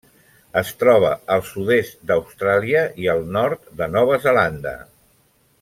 Es troba al sud-est d'Austràlia i al nord de Nova Zelanda.